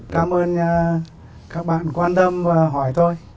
cảm ơn các bạn quan tâm và hỏi tôi